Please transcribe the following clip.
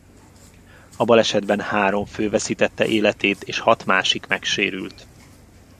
A balesetben három fő veszítette életét és hat másik megsérült.